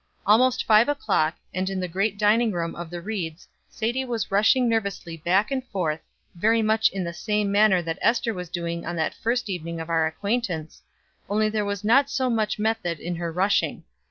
Almost five o'clock, and in the great dining room of the Rieds Sadie was rushing nervously back and forth, very much in the same manner that Ester was doing on that first evening of our acquaintance, only there was not so much method in her rushing.